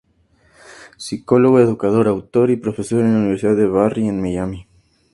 Psicólogo, educador, autor, y profesor en la Universidad de Barry en Miami.